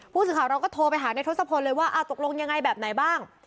ผู้สื่อข่าวเราก็โทรไปหาในทศพลเลยว่าตกลงยังไงแบบไหนบ้าง